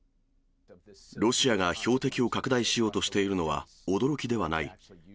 ロシアが標的を拡大しようとしているのは、驚きではない。